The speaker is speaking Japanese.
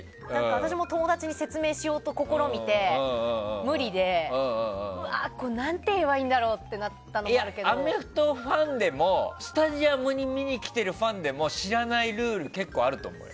私も友達に説明しようと試みて無理でうわ何て言えばいいんだろうってアメフトファンでもスタジアムに見に来てるファンでも知らないルール結構あると思う。